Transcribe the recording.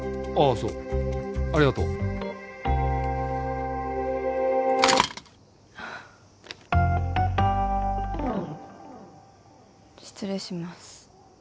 そうありがとう失礼します